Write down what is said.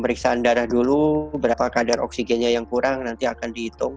pemeriksaan darah dulu berapa kadar oksigennya yang kurang nanti akan dihitung